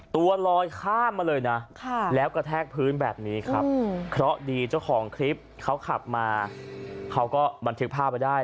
ตัวลอยข้ามมาเลยนะแล้วกระแทกพื้นแบบนี้ครับเคราะห์ดีเจ้าของคลิปเขาขับมาเขาก็บันทึกภาพไว้ได้